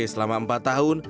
selama empat tahun